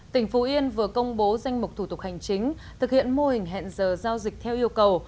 tỉnh phú yên vừa công bố danh mục thủ tục hành chính thực hiện mô hình hẹn giờ giao dịch theo yêu cầu